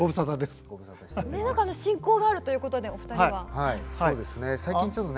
何か親交があるということでお二人は。